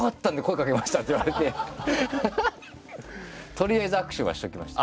とりあえず握手はしておきました。